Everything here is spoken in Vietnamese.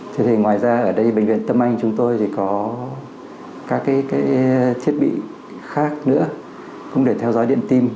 thế thì ngoài ra ở đây bệnh viện tâm anh chúng tôi thì có các thiết bị khác nữa không để theo dõi điện tim